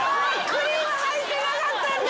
クリーム入ってなかったんだ。